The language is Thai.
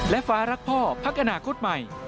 และฟ้ารักพ่อพักอนาคตใหม่